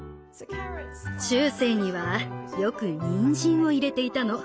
中世にはよくにんじんを入れていたの。